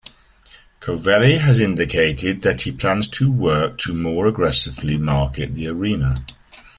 Covelli has indicated that he plans to work to more aggressively market the arena.